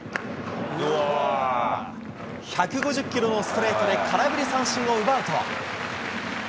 １５０キロのストレートで空振り三振を奪うと。